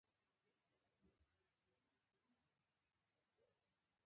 یوسف قرضاوي او نور لیکوالان د تاریخ د دفاع هڅه کړې ده.